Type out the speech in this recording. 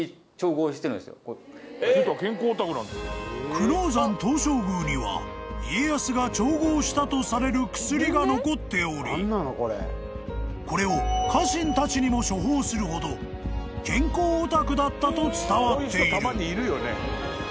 ［久能山東照宮には家康が調合したとされる薬が残っておりこれを家臣たちにも処方するほど健康オタクだったと伝わっている］